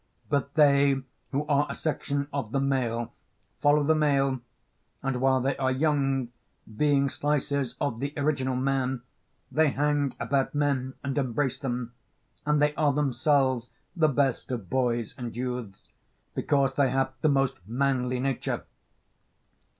But they who are a section of the male follow the male, and while they are young, being slices of the original man, they hang about men and embrace them, and they are themselves the best of boys and youths, because they have the most manly nature.